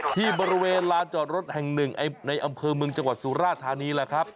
ที่บริเวณลานจอดรถแห่งหนึ่งในอำเภอเมืองจังหวัดสุราธานีแหละครับ